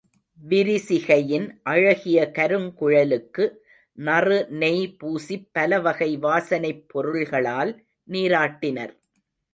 விரிசிகையின் அழகிய கருங்குழலுக்கு நறு நெய்பூசிப் பல வகை வாசனைப் பொருள்களால் நீராட்டினர்.